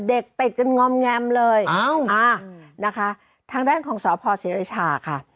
เด็กเป็นกันงอมแงมเลยอ้าวอ่านะคะทางด้านของสอบพอร์ศรีรชาค่ะ